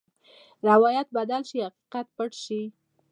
روایت بدل شي، حقیقت پټ شي.